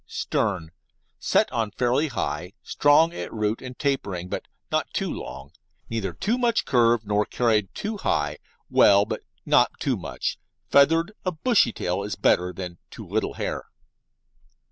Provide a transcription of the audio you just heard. STERN Set on fairly high, strong at root, and tapering, but not too long. Neither too much curved nor carried too high; well, but not too much, feathered; a bushy tail is better than too little hair.